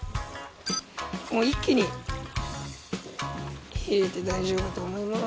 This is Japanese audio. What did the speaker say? もう一気に入れて大丈夫だと思います。